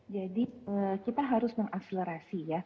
jadi kita harus mengakselerasi